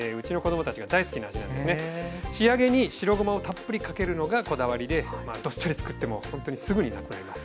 仕上げに白ごまをたっぷりかけるのがこだわりでどっさりつくってもほんとにすぐになくなります。